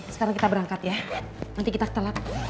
sekarang kita berangkat ya nanti kita telat